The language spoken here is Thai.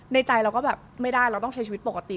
ใจเราก็แบบไม่ได้เราต้องใช้ชีวิตปกติ